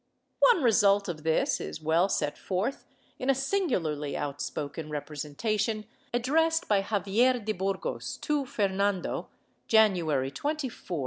One result of this is well set forth in a singularly outspoken representation addressed by Javier de Burgos to Fernando, Jan uary 24, 1826.